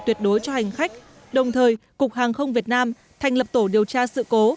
tuyệt đối cho hành khách đồng thời cục hàng không việt nam thành lập tổ điều tra sự cố